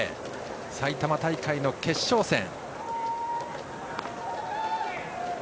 埼玉大会の決勝戦。